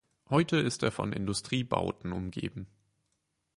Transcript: Heute ist er von Industriebauten umgeben.